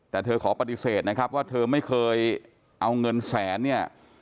แต่เธอขอปฏิเสธนะครับว่าเธอไม่เคยเอาเงินแสนเนี่ย